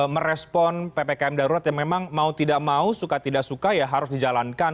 merespon ppkm darurat yang memang mau tidak mau suka tidak suka ya harus dijalankan